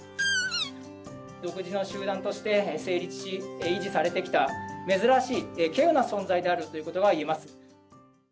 独自の集団として成立し、維持されてきた珍しい、けうな存在であるということがいえます。